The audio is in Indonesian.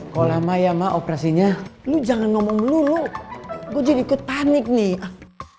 kola maya ma operasinya lu jangan ngomong dulu gue jadi ikut panik nih